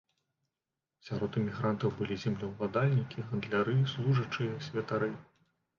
Сярод эмігрантаў былі землеўладальнікі, гандляры, служачыя, святары.